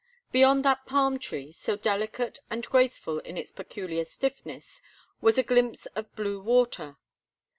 Beyond that palm tree, so delicate and graceful in its peculiar stiffness, was a glimpse of blue water.